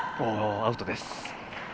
アウトです。